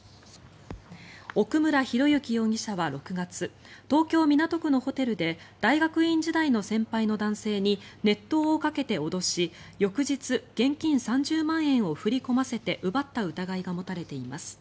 奥村啓志容疑者は６月東京・港区のホテルで大学院時代の先輩の男性に熱湯をかけて脅し翌日現金３０万円を振り込ませて奪った疑いが持たれています。